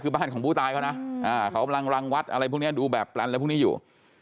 คือบ้านของผู้ตายก็นะเขาลังวัดอะไรพวกนี้ดูแบบแปลนแล้วพวกนี้อยู่